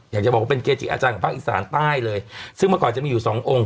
อยากจะบอกว่าเป็นเกจิอาจารย์ของภาคอีสานใต้เลยซึ่งเมื่อก่อนจะมีอยู่สององค์